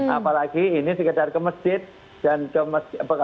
apalagi ini sekedar ke masjid dan bukan masalah sekedar